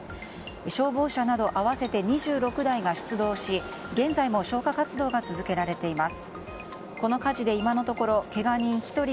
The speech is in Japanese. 消防車など合わせて２６台が出動し現在も消火活動が続けられています。